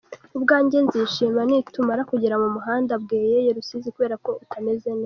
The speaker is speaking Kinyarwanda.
Ubwanjye nzishima nitumara kugera mu Muhanda Bweyeye-Rusizi kubera ko utameze neza.